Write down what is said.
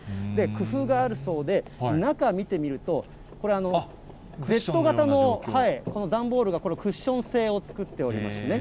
工夫があるそうで、中、見てみると、これ、型のこの段ボールがクッション性を作っておりましてね。